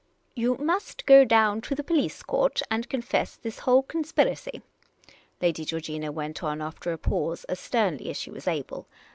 " You must go down to the police court and confess this whole conspiracy," Lady Georgina went on after a pause, as sternly as she was able.